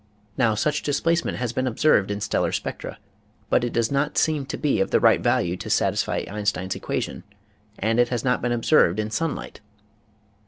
Now such displacement has been ob served in stellar spectra but it does not seem to be of the right value to satisfy Einstein's equation and it has not been observed in sunlight.